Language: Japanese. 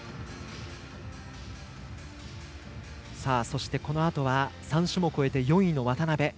そして、このあとは３種目終えて４位の渡部。